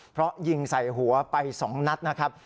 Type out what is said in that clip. เพราะยิงใส่หัวไป๒นัดนะครับ